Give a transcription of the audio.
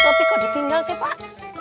tapi kok ditinggal sih pak